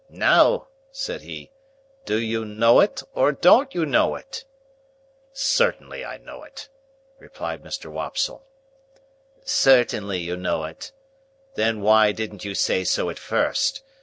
"Now!" said he. "Do you know it, or don't you know it?" "Certainly I know it," replied Mr. Wopsle. "Certainly you know it. Then why didn't you say so at first?